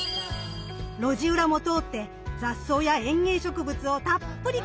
路地裏も通って雑草や園芸植物をたっぷり観察します。